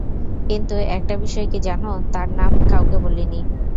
কিন্তু একটা বিষয় কী জানো, তার নাম কাউকে বলিনি।